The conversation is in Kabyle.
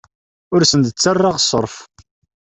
Ur asen-d-ttarraɣ ṣṣerf.